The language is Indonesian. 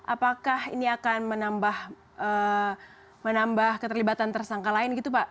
apakah ini akan menambah keterlibatan tersangka lain gitu pak